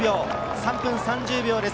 ３分３０秒差です。